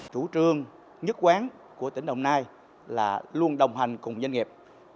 chủ trương nhất quán của tỉnh đồng nai là luôn đồng hành cùng doanh nghiệp